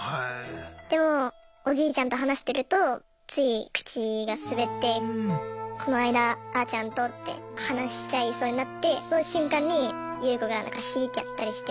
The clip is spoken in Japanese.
でもおじいちゃんと話してるとつい口が滑って「この間あーちゃんと」って話しちゃいそうになってその瞬間にユウコが「シー」ってやったりして。